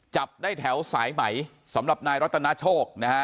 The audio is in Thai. จับได้แถวสายไหมสำหรับนายรัตนาโชคนะฮะ